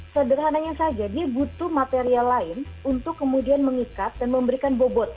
sederhananya saja dia butuh material lain untuk kemudian mengikat dan memberikan bobot